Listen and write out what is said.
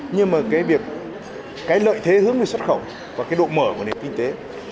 nhưng mà cái lợi thế hướng được xuất khẩu và độ mở của nền kinh tế